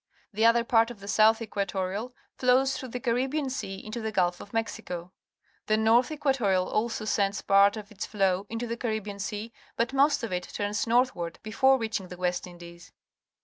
The other part of the South Equatorial flows through the Caribbean Sea into the Gu// of Mexico. The North Equatorial also sends part of its flow into the Caribbean Sea, but most of it turns northward before reaching the West Indies.